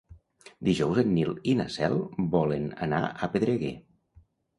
Dijous en Nil i na Cel volen anar a Pedreguer.